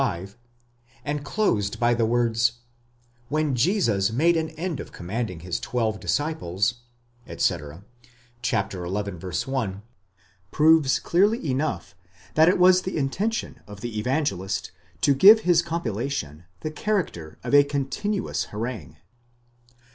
5); and closed by the words: when Jesus made an end of commanding his twelve disciples, etc. (xi. 1); proves clearly enough that it was the intention of the Evangelist to give his compilation the character of a continuous harangue.